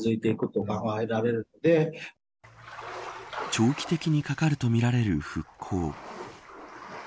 長期的にかかるとみられる復興。